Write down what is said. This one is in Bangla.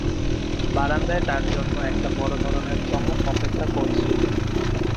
বারান্দায় তার জন্যে একটা বড় ধরনের চমক অপেক্ষা করছিল।